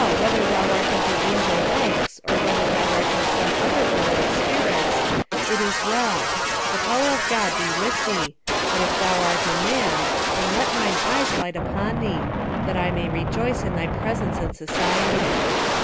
whether thou art of the angel ranks, or whether thou art of some other order of spirits, it is well; the power of God be with thee; but if thou art a man, then let mine eyes light upon thee, that I may rejoice in thy presence and society."